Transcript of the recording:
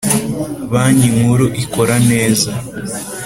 Banki nkuru ikora neze.